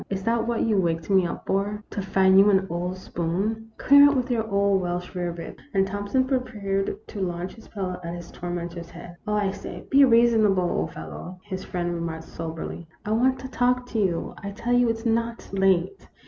" Is that what you waked me up for, to find you an old spoon ? Clear out with your old Welsh rarebits." And Thompson prepared to launch his pillow at his tormentor's head. " Oh, I say, be reasonable, old fellow !" his friend remarked, soberly. " I want to talk to you. I tell you it 's not late.